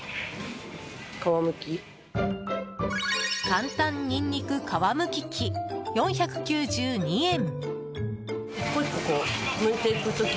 簡単ニンニク皮むき器４９２円。